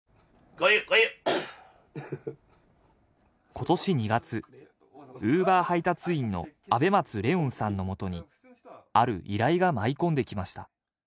今年２月Ｕｂｅｒ配達員の松怜音さんのもとにある依頼が舞い込んできました